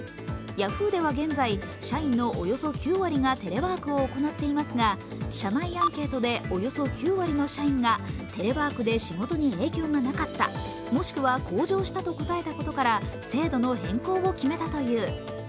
ヤフーでは現在、社員のおよそ９割がテレワークを行っていますが社内アンケートでおよそ９割の社員がテレワークで仕事に影響がなかった、もしくは向上したと答えたことから制度の変更を決めたという。